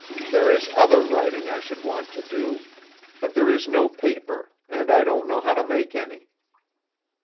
There is other writing I should want to do, but there is no paper, and I don't know how to make any."